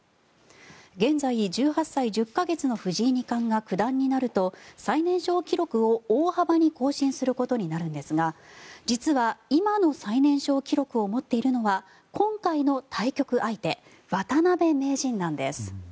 現在、１８歳１０か月の藤井二冠が九段になると最年少記録を大幅に更新することになるんですが実は、今の最年少記録を持っているのは今回の対局相手渡辺名人なんです。